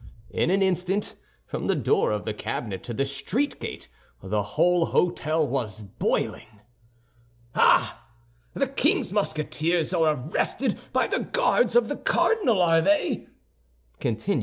In an instant, from the door of the cabinet to the street gate, the whole hôtel was boiling. "Ah! The king's Musketeers are arrested by the Guards of the cardinal, are they?" continued M.